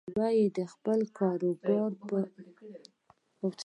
هر يو يې د خپل کاروبار په باره کې هويت او ادرس لري.